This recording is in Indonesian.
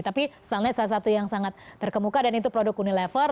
tapi staminate salah satu yang sangat terkemuka dan itu produk unilever